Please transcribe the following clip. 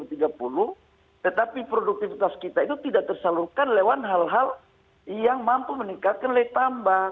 tetapi produktivitas kita itu tidak tersalurkan lewat hal hal yang mampu meningkatkan nilai tambah